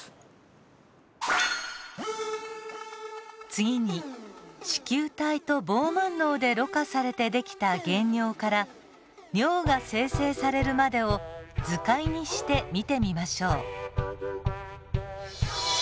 次に糸球体とボーマンのうでろ過されてできた原尿から尿が生成されるまでを図解にして見てみましょう。